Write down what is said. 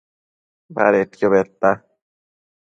Badedquio bëdta